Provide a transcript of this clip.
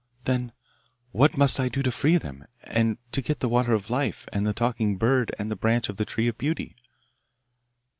'Then what must I do to free them, and to get the water of life, and the talking bird, and the branch of the tree of beauty?